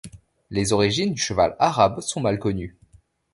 Les origines du cheval arabe sont mal connues.